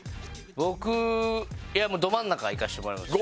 僕いやもうど真ん中いかせてもらいます。